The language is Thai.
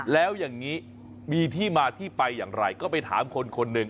แล้วอย่างนี้มีที่มาที่ไปอย่างไรก็ไปถามคนคนหนึ่ง